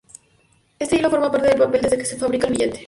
Este hilo forma parte del papel desde que se fabrica el billete.